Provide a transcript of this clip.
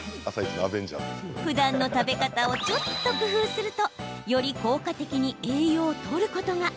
ふだんの食べ方をちょっと工夫するとより効果的に栄養をとることが。